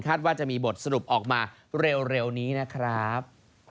ว่าจะมีบทสรุปออกมาเร็วนี้นะครับ